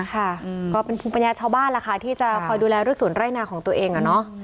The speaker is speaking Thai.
ก็เป็นภูมิปัญญาชาวบ้านล่ะค่ะที่จะคอยดูแลเรื่องสวนไร่นาของตัวเอง